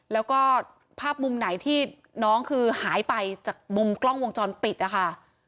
แล้วก็ภาพมุมไหนที่น้องคือหายไปจากมุมกล้องวงจรปิดนะคะ